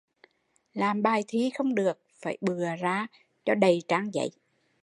Làm bài thi không được phải bựa ra cho đầy trang giấy